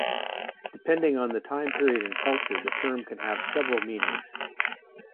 Depending on the time period and culture, the term can have several meanings.